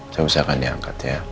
saya bisa akan diangkat ya